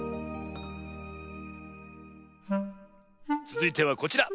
つづいてはこちら。